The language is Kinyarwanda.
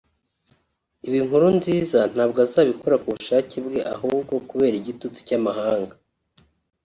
Ibi Nkurunziza ntabwo azabikora ku bushake bwe ahubwo kubera igitutu cy’amahanga